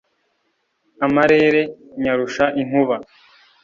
amarere nyarusha inkuba.